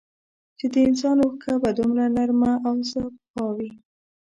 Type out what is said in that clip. چي د انسان اوښکه به دومره نرمه او سپا وې